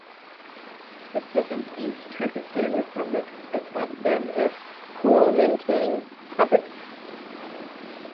The Second East Turkestan Republic attacked them as Kuomintang "puppets".